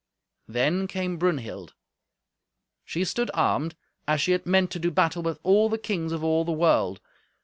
Then came Brunhild. She stood armed, as she had meant to do battle with all the kings of all the world.